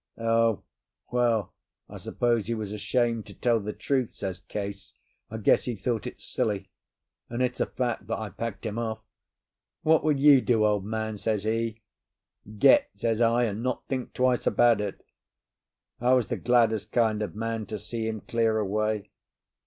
"O! well, I suppose he was ashamed to tell the truth," says Case; "I guess he thought it silly. And it's a fact that I packed him off. 'What would you do, old man?' says he. 'Get,' says I, 'and not think twice about it.' I was the gladdest kind of man to see him clear away.